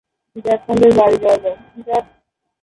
জ্যাকসনদের বাড়ি যাওয়া যাক।